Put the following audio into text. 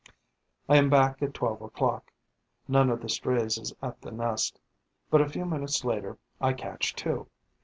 I am back at twelve o'clock. None of the strays is at the nest; but, a few minutes later, I catch two.